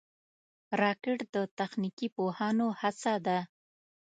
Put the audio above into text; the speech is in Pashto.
راکټ د تخنیکي پوهانو هڅه ده